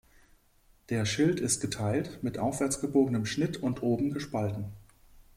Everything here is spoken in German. Der Schild ist geteilt, mit aufwärts gebogenem Schnitt und oben gespalten.